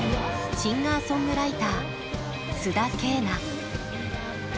シンガーソングライター須田景凪。